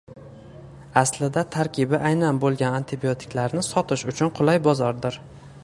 aslida tarkibi aynan bo‘lgan antibiotiklarni sotish uchun qulay bozordir.